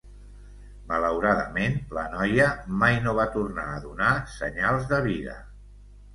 Malauradament la noia mai no va tornar a donar senyals de vida.